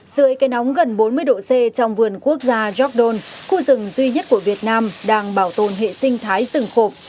dưới cây nóng gần bốn mươi độ c trong vườn quốc gia gióc đôn khu rừng duy nhất của việt nam đang bảo tồn hệ sinh thái rừng khộp